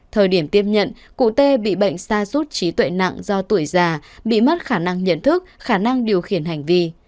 thời điểm tiếp nhận cụ t bị bệnh sa rút trí tuệ nặng do tuổi già bị mất khả năng nhận thức khả năng điều khiển hành vi